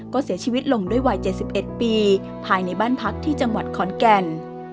ก็เสียชีวิตลงด้วยวัย๗๑ปีภายในบ้านพักที่จังหวัดขอนแก่น